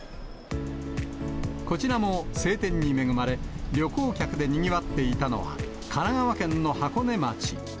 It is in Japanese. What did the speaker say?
こちらも晴天に恵まれ、旅行客でにぎわっていたのは神奈川県の箱根町。